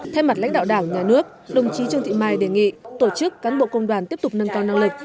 thay mặt lãnh đạo đảng nhà nước đồng chí trương thị mai đề nghị tổ chức cán bộ công đoàn tiếp tục nâng cao năng lực